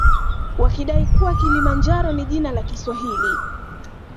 Wakidai kuwa kilimanjaro ni jina la kiswahili